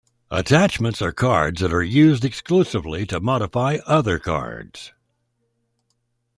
Attachments are cards that are used exclusively to modify other cards.